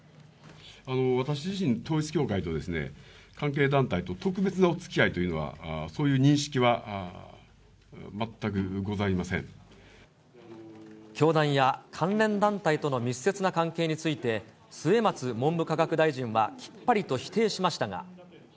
私自身、統一教会と、関係団体と特別なおつきあいというのは、そういう認識は全くござ教団や関連団体との密接な関係について、末松文部科学大臣はきっぱりと否定しましたが。